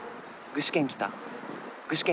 具志堅来た。